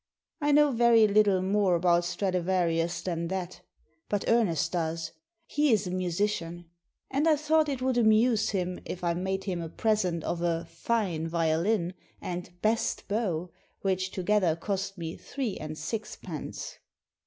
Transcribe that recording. I know very little more about Straduarius than that But Ernest does; he is a musician. And I thought it would amuse him if 92 Digitized by VjOOQIC THE VIOLIN 93 I made him a present of a " fine violin " and best bow," which together cost me three and sixpence.